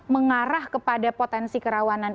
mengarah kepada potensi kerawanan